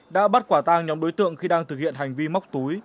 đã bắt quả tang nhóm đối tượng khi đang thực hiện hành vi móc túi